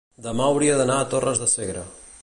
demà hauria d'anar a Torres de Segre.